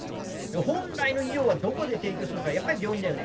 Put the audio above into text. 本来の医療はどこで提供するのか、やっぱり病院だよね。